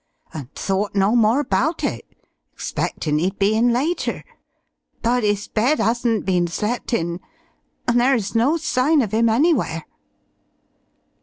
And thought no more about it, expectin' he'd be in later. But 'is bed 'asn't been slept in, and there 's no sign of 'im anywhere."